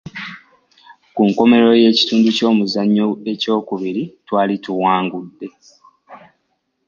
Ku nkomerero y'ekitundu ky'omuzannyo ekyokubiri, twali tuwangudde.